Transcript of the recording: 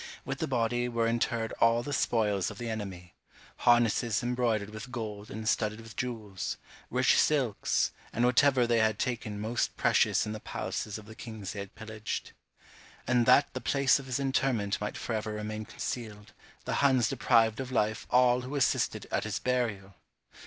With the body were interred all the spoils of the enemy, harnesses embroidered with gold and studded with jewels, rich silks, and whatever they had taken most precious in the palaces of the kings they had pillaged; and that the place of his interment might for ever remain concealed, the Huns deprived of life all who assisted at his burial!